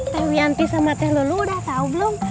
teh wianti sama teh lulu udah tau belum